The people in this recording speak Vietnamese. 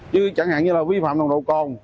chứ chẳng hạn như vi phạm nồng độ cồn